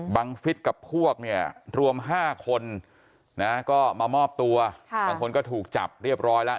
ฟิศกับพวกเนี่ยรวม๕คนนะก็มามอบตัวบางคนก็ถูกจับเรียบร้อยแล้ว